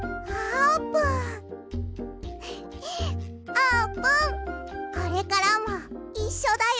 あーぷんこれからもいっしょだよ！